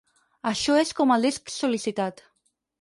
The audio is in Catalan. Això és com el disc sol.licitat.